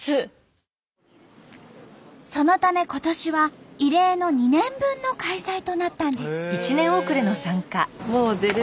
そのため今年は異例の２年分の開催となったんです。